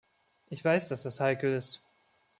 Ich weiß, dass das heikel ist.